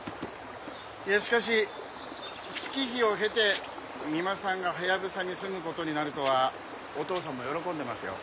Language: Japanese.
しかし月日を経て三馬さんがハヤブサに住む事になるとはお父さんも喜んでますよ。